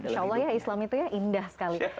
insya allah ya islam itu ya indah sekali